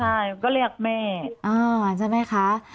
ใช่ก็เรียกแม่ใช่ไหมคะ